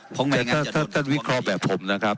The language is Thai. เพราะไม่อย่างนั้นจะโดนอย่างนี้ท่านวิเคราะห์แบบผมนะครับ